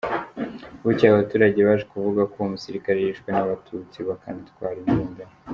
Bukeye, abaturage baje kuvuga ko uwo musirikari yishwe n’abatutsi bakanatwara imbunda ye.